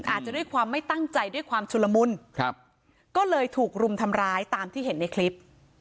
อาจจะด้วยความไม่ตั้งใจด้วยความชุลมุนครับก็เลยถูกรุมทำร้ายตามที่เห็นในคลิป